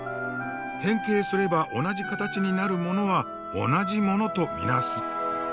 変形すれば同じ形になるものは同じものと見なす。